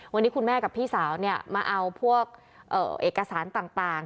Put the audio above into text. วันนี้คุณแม่กับพี่สาวมาเอาพวกเอกสารต่าง